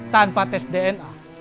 tanpa tes dna